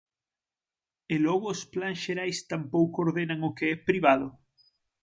¿E logo os plans xerais tampouco ordenan o que é privado?